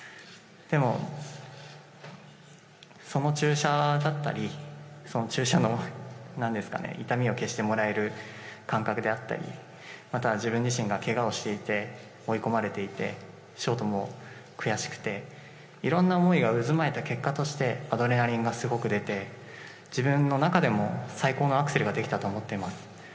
でも、その注射だったり、その注射のなんですかね、痛みを消してもらえる感覚であったり、また自分自身がけがをしていて、追い込まれていて、ショートも悔しくて、いろんな思いが渦巻いた結果として、アドレナリンがすごく出て、自分の中でも最高のアクセルができたと思っています。